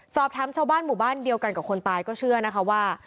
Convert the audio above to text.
ชาวบ้านหมู่บ้านเดียวกันกับคนตายก็เชื่อนะคะว่า